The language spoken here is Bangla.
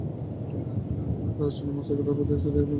তার ছিন্ন মস্তক এলাহাবাদে সেলিমের নিকট পাঠানো হয়েছিল।